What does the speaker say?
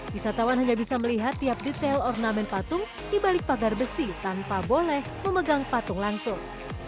wisatawan hanya bisa melihat tiap detail ornamen patung di balik pagar besi tanpa boleh memegang patung langsung